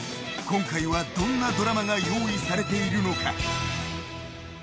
今回は、どんなドラマが用意されているのか。